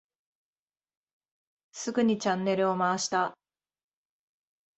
すぐにチャンネルを回した。